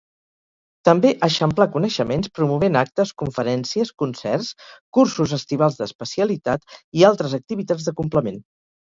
També eixamplà coneixements promovent actes, conferències, concerts, cursos estivals d'especialitat i altres activitats de complement.